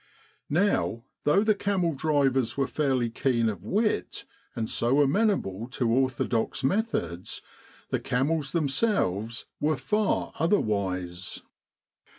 Now, though the camel drivers were fairly keen of wit and so amenable to orthodox methods, the camels them selves were far otherwise.